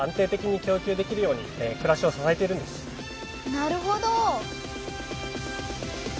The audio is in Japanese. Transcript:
なるほど。